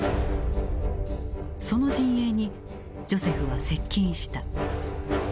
その陣営にジョセフは接近した。